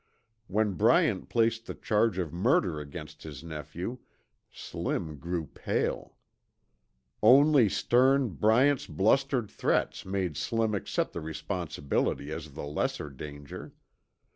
When Bryant placed the charge of murder against his nephew, Slim grew pale. Only stern Bryant's blustered threats made Slim accept the responsibility as the lesser danger.